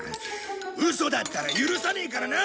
ウソだったら許さねえからな！